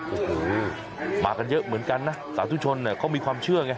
โอ้โหมากันเยอะเหมือนกันนะสาธุชนเนี่ยเขามีความเชื่อไง